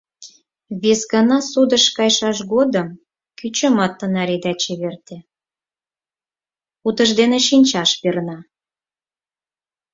Вес гана судыш кайшаш годым кӱчымат тынар ида чеверте — утыж дене шинчаш перна.